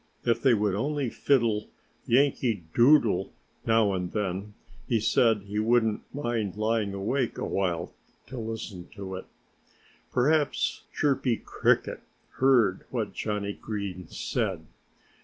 If they would only fiddle "Yankee Doodle" now and then he said he wouldn't mind lying awake a while to listen to it. Perhaps Chirpy Cricket heard what Johnnie Green said.